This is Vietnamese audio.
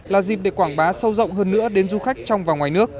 là dịp để quảng bá sâu rộng hơn nữa đến du khách trong và ngoài nước